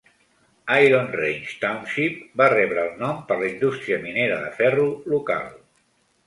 Iron Range Township va rebre el nom per la indústria minera de ferro local.